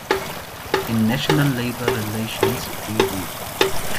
In National Labor Relations Bd.